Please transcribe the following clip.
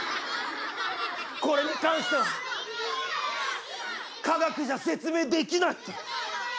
これに関しては科学じゃ説明できないって。